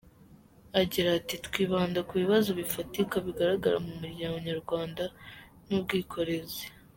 Agira ati “Twibanda ku bibazo bifatika bigaragara mu muryango Nyarwanda nk’ubwikorezi.